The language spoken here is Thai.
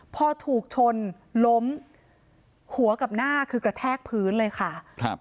พอถูกชนล้มหัวกับหน้าคือกระแทกพื้นเลยค่ะครับ